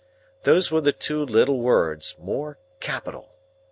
Those were the two little words, more capital.